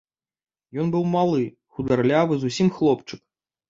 Ён быў малы, хударлявы зусім хлопчык.